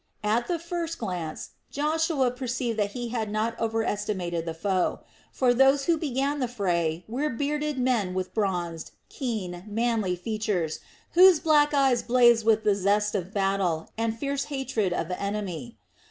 At the first glance Joshua perceived that he had not overestimated the foe; for those who began the fray were bearded men with bronzed, keen, manly features, whose black eyes blazed with the zest of battle and fierce hatred of the enemy.